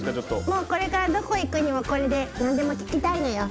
もうこれからどこ行くにもこれで何でも聞きたいのよ。